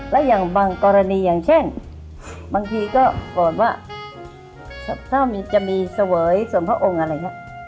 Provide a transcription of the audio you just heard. และอย่างบางกรณีอย่างเช่นบางทีก็โกรธว่าถ้าจะมีเสวยส่วนพระองค์อะไรอย่างนี้